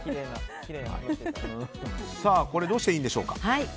これはどうしていいんでしょうか。